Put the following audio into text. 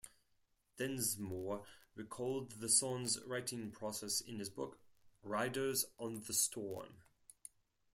Densmore recalled the song's writing process in his book "Riders on the Storm".